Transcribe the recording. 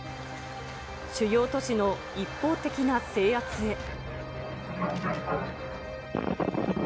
主要都市の一方的な制圧へ。